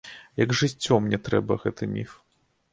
Як жыццё, мне трэба гэты міф.